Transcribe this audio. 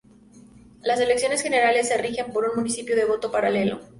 Las elecciones generales se rigen por un principio de voto paralelo.